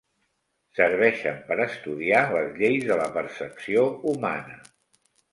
Serveixen per estudiar les lleis de la percepció humana.